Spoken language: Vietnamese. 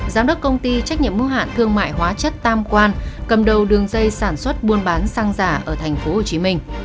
giám đốc công ty trách nhiệm mô hạn thương mại hóa chất tam quan cầm đầu đường dây sản xuất buôn bán xăng giả ở thành phố hồ chí minh